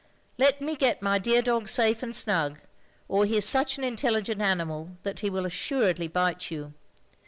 Let me get my dear dog safe and snug, or he is such an intelligent animal that he will assuredly bite you.